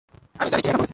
আমি জানি কে এটা বলেছে।